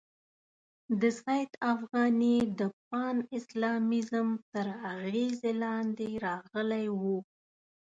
د سید افغاني د پان اسلامیزم تر اغېزې لاندې راغلی وو.